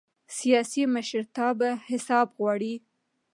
سیاسي مشرتابه حساب غواړي